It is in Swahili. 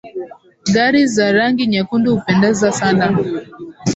Gari za rangi nyekundu hupendeza sana.